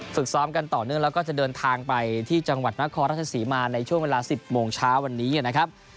ฝึกซ้อมกันต่อเนื่องแล้วก็จะเดินทางไปที่จังหวัดนครราชศรีมาในช่วงเวลา๑๐โมงเช้าวันนี้นะครับ